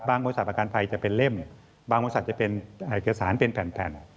บริษัทประกันภัยจะเป็นเล่มบางบริษัทจะเป็นเอกสารเป็นแผ่น